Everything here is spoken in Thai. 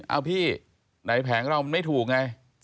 เอาพี่ไหนแผงเรามันไม่ถูกไง